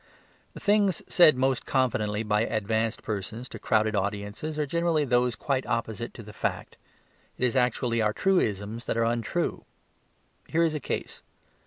The things said most confidently by advanced persons to crowded audiences are generally those quite opposite to the fact; it is actually our truisms that are untrue. Here is a case.